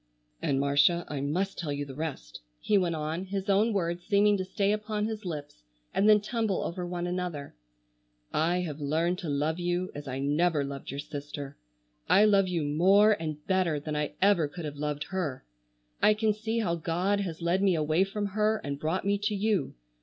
"And Marcia, I must tell you the rest," he went on, his own words seeming to stay upon his lips, and then tumble over one another; "I have learned to love you as I never loved your sister. I love you more and better than I ever could have loved her. I can see how God has led me away from her and brought me to you.